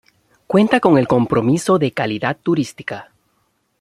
Cuenta con el Compromiso de Calidad Turística.